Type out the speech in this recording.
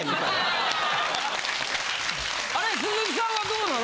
鈴木さんはどうなの？